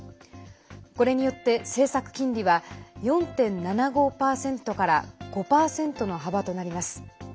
これによって、政策金利は４．７５％から５％の幅となります。